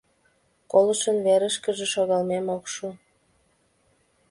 — Колышын верышкыже шогалмем огеш шу.